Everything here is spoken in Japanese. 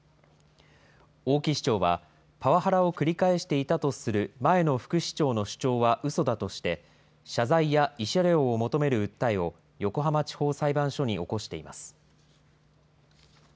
大木市長はパワハラを繰り返していたとする前の副市長の主張はうそだとして、謝罪や慰謝料を求める訴えを、横浜地方裁判所に起こしています。